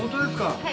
はい。